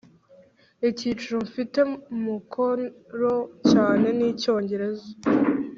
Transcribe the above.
icyiciro mfite umukoro cyane ni icyongereza.